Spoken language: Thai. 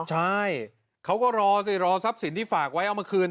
ใช่เขาก็รอสิรอทรัพย์สินที่ฝากไว้เอามาคืน